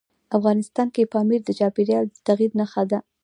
افغانستان کې پامیر د چاپېریال د تغیر نښه ده.